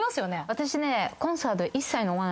私ね。